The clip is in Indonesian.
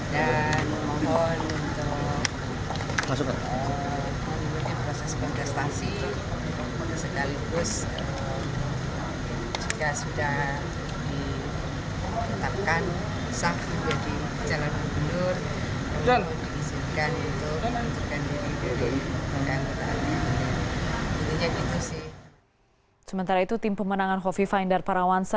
dan mohon untuk memulai proses kontrastasi